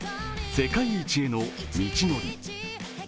世界一への道のり。